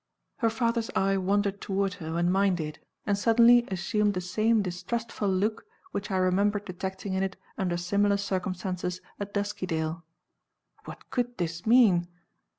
Her father's eye wandered toward her when mine did, and suddenly assumed the same distrustful look which I remembered detecting in it, under similar circumstances, at Duskydale. What could this mean?